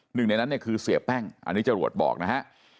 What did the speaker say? หนึ่งในนั้นเนี่ยคือเสียแป้งอันนี้จรวดบอกนะฮะ